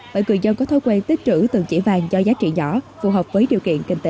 bởi người dân có thói quen tích trữ từng chỉ vàng do giá trị nhỏ phù hợp với điều kiện kinh tế